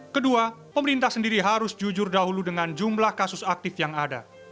kedua pemerintah sendiri harus jujur dahulu dengan jumlah kasus aktif yang ada